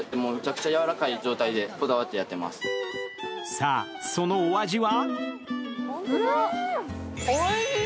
さあ、そのお味は？